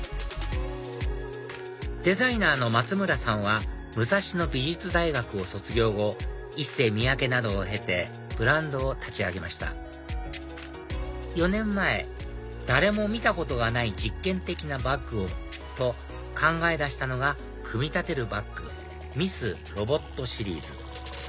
デザイナーの松村さんは武蔵野美術大学を卒業後ＩＳＳＥＹＭＩＹＡＫＥなどを経てブランドを立ち上げました４年前誰も見たことがない実験的なバッグをと考え出したのが組み立てるバッグＭｉｓｓＲＯＢＯＴシリーズ